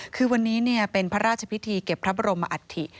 คือวันนี้เป็นพระราชพิธีเก็บพระบรมอัฐิ